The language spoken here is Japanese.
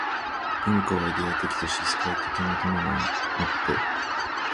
但、文化はイデヤ的として世界史的なるを以て